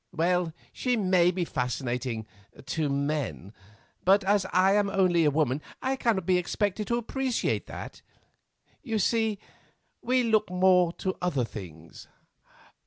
Well, she may be fascinating—to men, but as I am only a woman, I cannot be expected to appreciate that. You see we look more to other things."